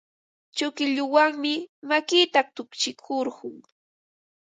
Kuchilluwanmi makinta tukshikurqun.